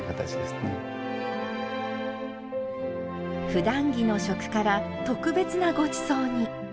ふだん着の食から特別なごちそうに。